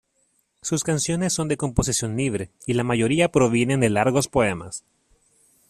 Sus canciones son de composición libre y la mayoría provienen de largos poemas.